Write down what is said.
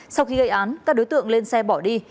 sau khi gây án các đối tượng lên xe bỏ đi